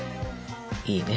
いいね。